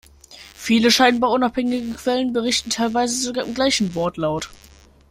Viele scheinbar unabhängige Quellen, berichten teilweise sogar im gleichen Wortlaut.